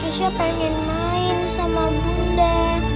saya pengen main sama bunda